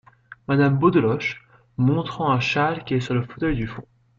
Madame Beaudeloche , montrant un châle qui est sur le fauteuil du fond.